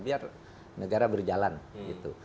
biar negara berjalan gitu